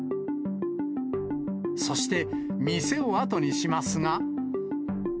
そして、店を後にしますが。